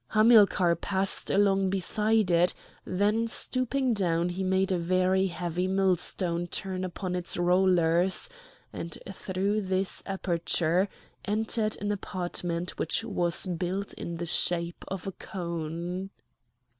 Hamilcar passed along beside it; then stooping down he made a very heavy millstone turn upon its rollers, and through this aperture entered an apartment which was built in the shape of a cone.